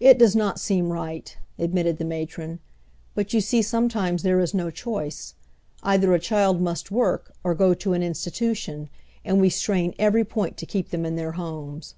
"It does not seem right!" admitted the matron; "but, you see, sometimes there is no choice. Either a child must work or go to an institution, and we strain every point to keep them in their homes."